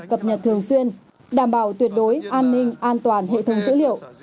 cập nhật thường xuyên đảm bảo tuyệt đối an ninh an toàn hệ thống dữ liệu